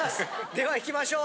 ではいきましょう。